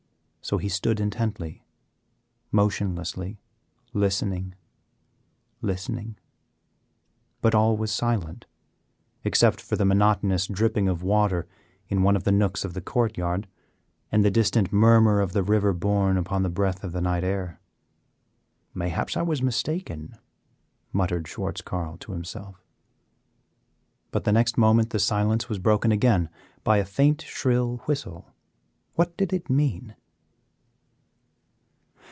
So he stood intently, motionlessly, listening, listening; but all was silent except for the monotonous dripping of water in one of the nooks of the court yard, and the distant murmur of the river borne upon the breath of the night air. "Mayhap I was mistaken," muttered Schwartz Carl to himself. But the next moment the silence was broken again by a faint, shrill whistle; what did it mean?